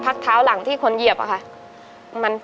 ผลักเท้าหลังที่คนเหยียบค่ะ